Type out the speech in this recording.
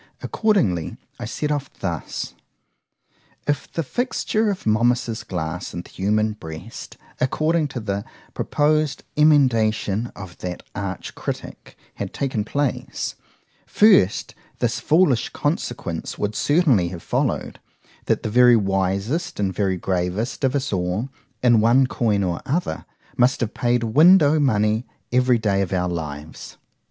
—Accordingly I set off thus: If the fixture of Momus's glass in the human breast, according to the proposed emendation of that arch critick, had taken place,——first, This foolish consequence would certainly have followed,—That the very wisest and very gravest of us all, in one coin or other, must have paid window money every day of our lives.